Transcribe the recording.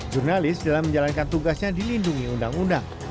jurnalis dalam menjalankan tugasnya dilindungi undang undang